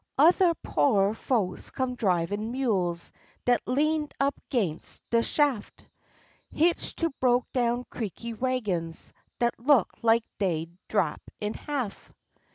Othah po'rer folks come drivin' mules dat leaned up 'ginst de shaf', Hitched to broke down, creaky wagons dat looked like dey'd drap in half.